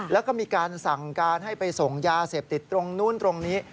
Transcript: แล้วก็มีการสั่งการให้ไปส่งยาเสพติดตรงนู้นตรงนี้